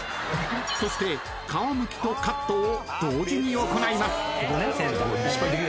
［そして皮むきとカットを同時に行います］